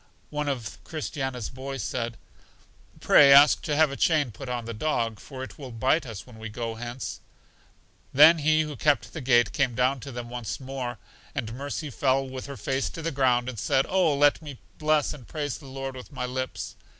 One of Christiana's boys said: Pray ask to have a chain put on the dog, for it will bite us when we go hence. Then He who kept the gate came down to them once more, and Mercy fell with her face to the ground, and said, Oh, let me bless and praise the Lord with my lips!